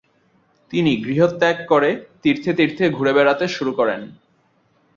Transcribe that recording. তিনি গৃহত্যাগ করে তীর্থে তীর্থে ঘুরে বেড়াতে শুরু করেন।